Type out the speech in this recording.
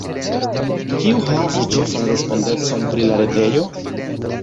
Kiu havu ĉefan respondecon pri la retejo?